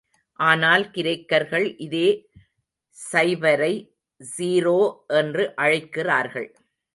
ஆனால், கிரேக்கர்கள் இதே சைபரை சீரோ என்று அழைக்கிறார்கள்.